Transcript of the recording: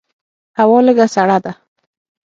هوا لږه سړه ده.